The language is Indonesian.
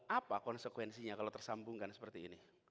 apa konsekuensinya kalau tersambungkan seperti ini